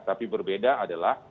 tapi berbeda adalah